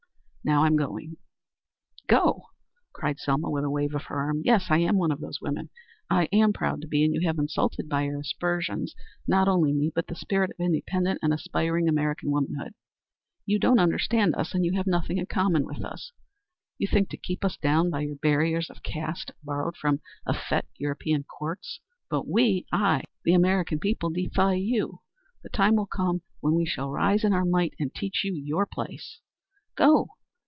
Now I'm going." "Go!" cried Selma with a wave of her arm. "Yes, I am one of those women. I am proud to be, and you have insulted by your aspersions, not only me, but the spirit of independent and aspiring American womanhood. You don't understand us; you have nothing in common with us. You think to keep us down by your barriers of caste borrowed from effete European courts, but we I the American people defy you. The time will come when we shall rise in our might and teach you your place. Go!